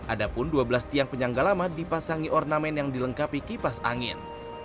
ada pun dua belas tiang penyangga lama dipasangi ornamen yang dilengkapi kipas angin